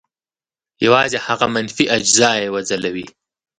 یوازې هغه منفي اجزا یې وځلوي.